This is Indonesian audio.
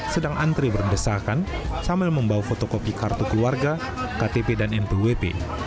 sedang antri berdesakan sambil membawa fotokopi kartu keluarga ktp dan npwp